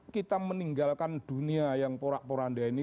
kita meninggalkan dunia yang porak poranda ini